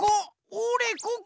おれここ！